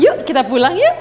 yuk kita pulang yuk